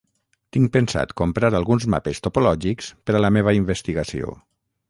Tinc pensat comprar alguns mapes topològics per a la meva investigació.